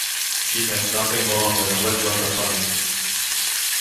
He has nothing more than a wet weather tummy.